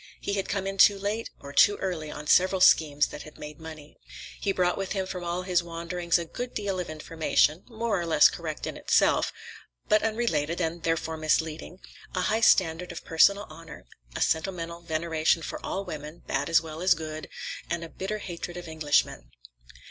He had come in too late, or too early, on several schemes that had made money. He brought with him from all his wanderings a good deal of information (more or less correct in itself, but unrelated, and therefore misleading), a high standard of personal honor, a sentimental veneration for all women, bad as well as good, and a bitter hatred of Englishmen.